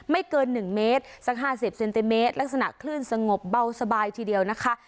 ไม่เกิน๑เมตรสัก๕๐เซนติเมตรลักษณะคลื่นสงบเบาสบายทีเดียวนะคะ